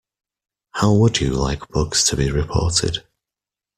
How would you like bugs to be reported?